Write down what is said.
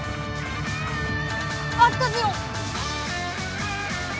あったぜよ！